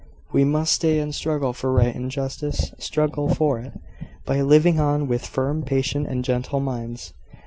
We must stay and struggle for right and justice struggle for it, by living on with firm, patient, and gentle minds.